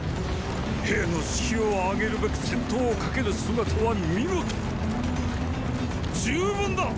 兵の士気を上げるべく先頭を駆ける姿は見事ーー十分だ！